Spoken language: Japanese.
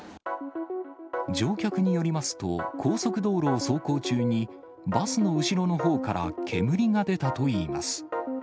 乗客によりますと、高速道路を走行中に、バスの後ろのほうから煙が出たといいます。